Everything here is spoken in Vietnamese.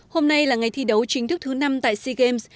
hôm nay là ngày thi đấu chính thức thứ năm tại sea games